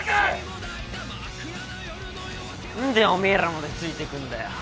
何でおめえらまでついてくんだよ。